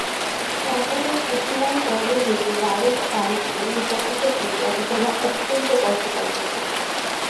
সম্পদের সুখময় স্বর্গ হইতে দারুণ দারিদ্র্যে নিপতিত হইয়া বিধবা অত্যন্ত কষ্ট পাইতেছেন।